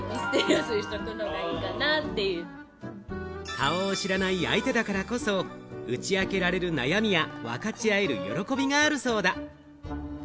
顔を知らない相手だからこそ、打ち明けられる悩みや分かち合える喜びがあるそうだ。